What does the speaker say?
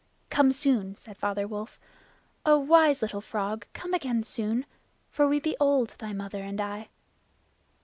"Come soon!" said Father Wolf. "Oh, wise little frog, come again soon; for we be old, thy mother and I."